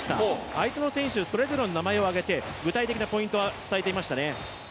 相手の選手、それぞれの名前を挙げて具体的なポイントは伝えていましたね。